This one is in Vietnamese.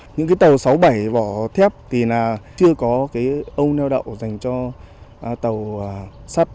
những cái tàu sáu bảy vỏ thép thì là chưa có cái âu neo đậu dành cho tàu sắt